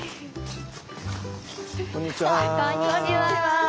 こんにちは。